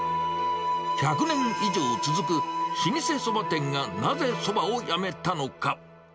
１００年以上続く老舗そば店が、なぜそばをやめたのか。